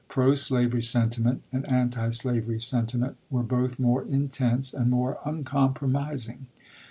Pro slavery sentiment and antislavery sentiment were both more intense and more un compromising.